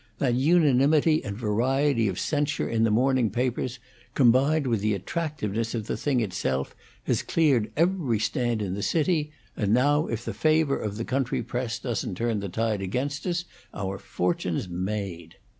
That unanimity and variety of censure in the morning papers, combined with the attractiveness of the thing itself, has cleared every stand in the city, and now if the favor of the country press doesn't turn the tide against us, our fortune's made."